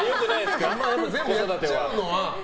全部やっちゃうのは。